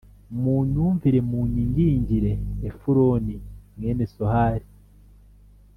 munyumvire munyingingire efuroni mwene sohari